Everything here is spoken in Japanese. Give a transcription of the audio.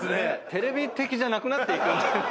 テレビ的じゃなくなっていく。